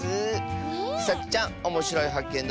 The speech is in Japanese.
さちちゃんおもしろいはっけん